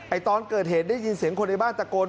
ตอนเกิดเหตุได้ยินเสียงคนในบ้านตะโกน